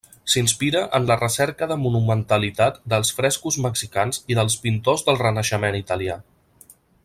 S'inspira en la recerca de monumentalitat dels frescos mexicans i dels pintors del Renaixement italià.